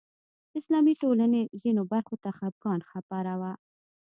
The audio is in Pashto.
اسلامي ټولنې ځینو برخو ته خپګان خبره وه